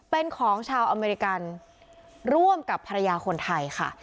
เป็นของชาวอเมริกันร่วมกับภรรยาคนไทยค่ะ